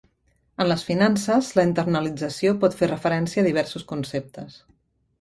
En les finances, la internalització pot fer referència a diversos conceptes.